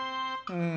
うん？